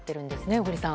小栗さん。